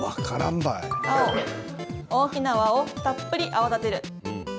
青・大きな泡をたっぷり泡立てる。